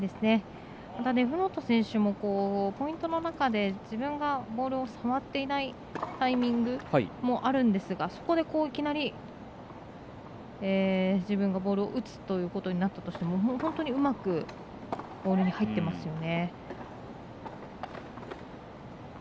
デフロート選手もポイントの中で自分がボールを触っていないタイミングもあるんですがそこでいきなり自分がボールを打つということになったとしても本当にうまくボールに入ってますよね。